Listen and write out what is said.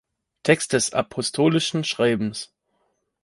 Text des Apostolischen Schreibens